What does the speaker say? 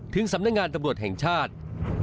สำนักงานตำรวจแห่งชาติ